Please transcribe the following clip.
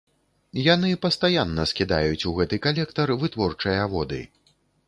Яны пастаянна скідаюць у гэты калектар вытворчыя воды.